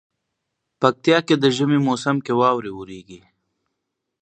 پکتيا کي دي ژمي موسم کي واوري وريږي